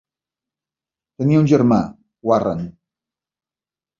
Tenia un germà, Warren.